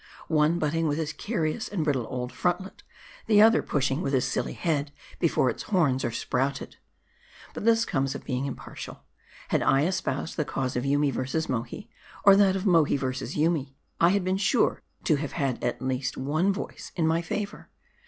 One butting with his carious and brittle old frontlet \ the other pushing with its silly head before its horns are sprouted. But this comes of being impartial. Had I espoused the cause of Yoomy ver sus Mohi, or that of Mohi versus Yoomy, I had been sure to have had at least one voice in my favor.